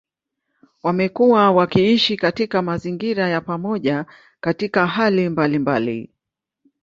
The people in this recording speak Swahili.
Wamekuwa wakiishi katika mazingira ya pamoja katika hali mbalimbali.